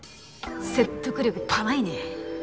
説得力パないね。